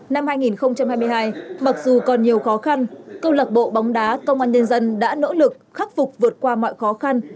năm hai nghìn hai mươi hai mặc dù còn nhiều khó khăn câu lạc bộ bóng đá công an nhân dân đã nỗ lực khắc phục vượt qua mọi khó khăn